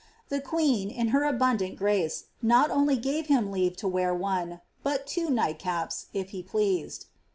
The queen, in her abundant grace, not o(4*J gave him leave lo wear one, but two nighlcaps, if be pleased.